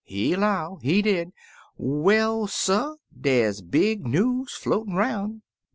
He 'low, he did, 'Well, suh, dey's big news floatin' roun'.